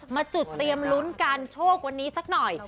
มาจุดเตรียมลุ้นการโชควันนี้สักหน่อย